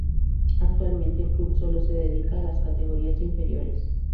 Actualmente, el club sólo se dedica a las categorías inferiores.